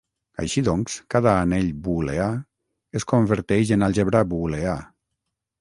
Així doncs, cada anell booleà es converteix en àlgebra booleà.